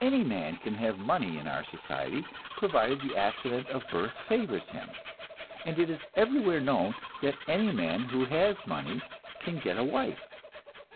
Any man can have money in our society, provided the accident of birth favors him, and it is everywhere known that any man who has money can get a wife.